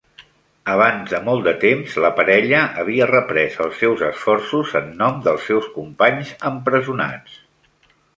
Abans de molt de temps, la parella havia reprès els seus esforços en nom dels seus companys empresonats.